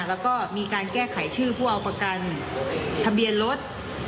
แล้วก็มีการแก้ไขชื่อผู้เอาประกันทะเบียนรถ